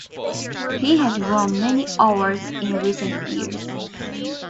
He has won many awards in recent years.